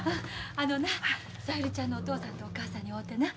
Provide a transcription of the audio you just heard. あのな小百合ちゃんのお父さんとお母さんに会うてな